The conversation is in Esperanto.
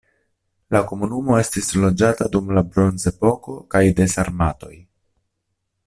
La komunumo estis loĝata dum la bronzepoko kaj de sarmatoj.